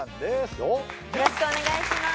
よろしくお願いします